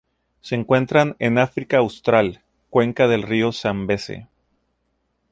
Se encuentran en África Austral: cuenca del río Zambeze.